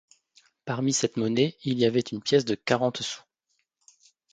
Parmi cette monnaie il y avait une pièce de quarante sous.